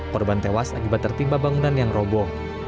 perubahan tewas akibat tertimba bangunan yang robo